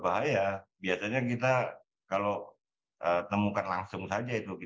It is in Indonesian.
hanya untuk menghitung dasar lhk